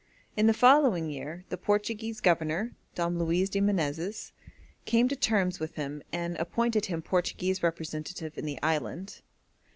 In the following year the Portuguese governor, Dom Luis de Menezes, came to terms with him, and appointed him Portuguese representative in the island.